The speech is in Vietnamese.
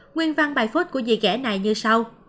nguyên văn bài phốt của dị ghẻ này như sau